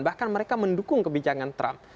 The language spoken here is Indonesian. bahkan mereka mendukung kebijakan trump